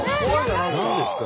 何ですか？